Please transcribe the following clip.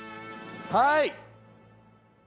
はい！